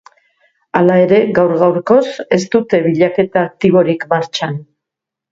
Hala ere, gaur-gaurkoz ez dute bilaketa aktiborik martxan.